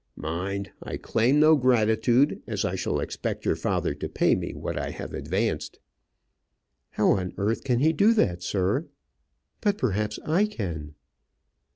Mind, I claim no gratitude, as I shall expect your father to pay me what I have advanced." "How on earth can he do that, sir? But perhaps I can."